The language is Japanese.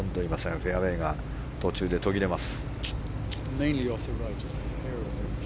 フェアウェーが途中で途切れます。